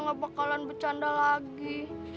gak bakalan bercanda lagi